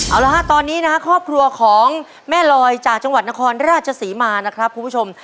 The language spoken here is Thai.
เอาละฮะตอนนี้นะครับครอบครัวของแม่ลอยจากจังหวัดนครราชศรีมานะครับคุณผู้ชม